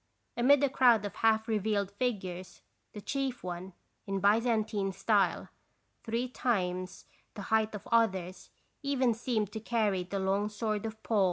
Amid a crowd of half revealed figures, the chief one, in Byzantine style, three times the height of others, even seemed to carry the long sword of Paul.